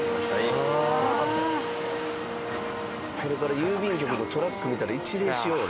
これから郵便局のトラック見たら一礼しよう俺。